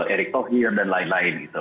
erick tohir dan lain lain